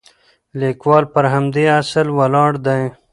لیکوال پر همدې اصل ولاړ دی.